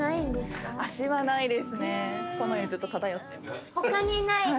このようにずっと漂ってます。